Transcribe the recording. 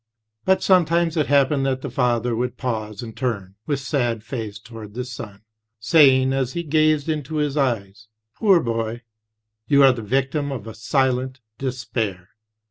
But sometimes it happened that the father would pause and turn with sad face toward the son, saying as he gazed into his eyes: 'Poor boy, you are the victim of a silent despair.'